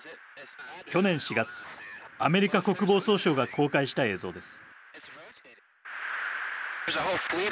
去年４月アメリカ国防総省が公開した映像です。